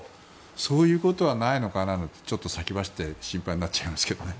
そういうことはないのかなとちょっと先走って心配になっちゃいますけどね。